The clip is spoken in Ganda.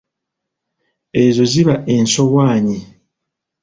Ezo ziba ensoowaanyi.